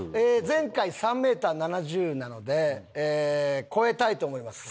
前回３メーター７０なので超えたいと思います。